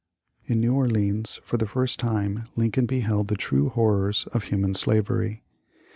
In New Orleans, for the first time Lincoln be held the true horrors of human slavery.